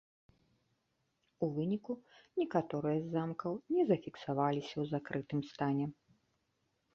У выніку некаторыя з замкаў не зафіксаваліся ў закрытым стане.